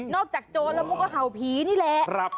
โจรแล้วมันก็เห่าผีนี่แหละ